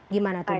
gimana tuh dok